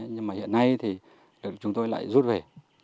nhưng mà hiện nay thì chúng tôi lại rút về